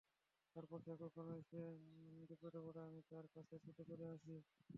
তারপর থেকে যখনই সে বিপদে পড়ে, আমি তার কাছে ছুটে চলে আসি।